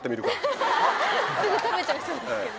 すぐ食べちゃいそうですけど。